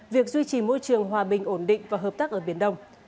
việc duy trì môi trường hòa bình ổn định và hợp tác ở biển đông